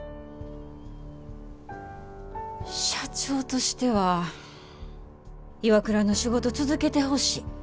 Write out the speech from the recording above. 社長としてはＩＷＡＫＵＲＡの仕事続けてほしい。